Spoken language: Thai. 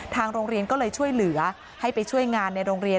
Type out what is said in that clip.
ทางโรงเรียนก็เลยช่วยเหลือให้ไปช่วยงานในโรงเรียน